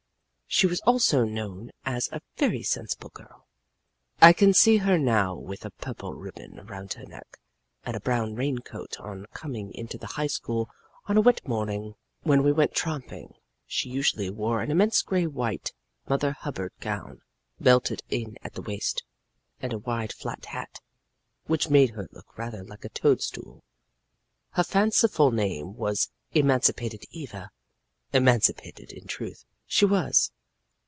She was also known as a very sensible girl. I can see her now with a purple ribbon around her neck and a brown rain coat on coming into the High School on a wet morning. When we went tramping she usually wore an immense gray white, mother hubbard gown, belted in at the waist, and a wide flat hat, which made her look rather like a toad stool. Her fanciful name was Emancipated Eva. Emancipated, in truth, she was.